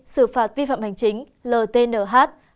xử phạt vi phạm hành chính ltnh